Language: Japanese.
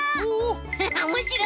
ハハおもしろい！